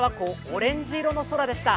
オレンジ色の空でした。